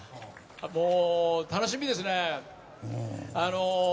もう楽しみですね。